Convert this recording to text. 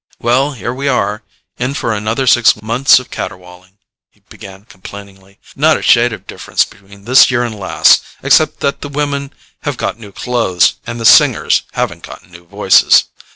"Well, here we are, in for another six months of caterwauling," he began complainingly. "Not a shade of difference between this year and last, except that the women have got new clothes and the singers haven't got new voices.